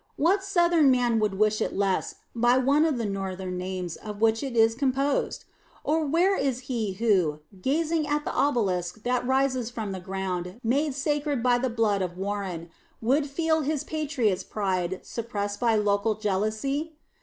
What Southern man would wish it less by one of the Northern names of which it is composed? Or where is he who, gazing on the obelisk that rises from the ground made sacred by the blood of Warren, would feel his patriot's pride suppressed by local jealousy?